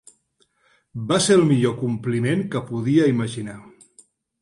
Va ser el millor compliment que podia imaginar.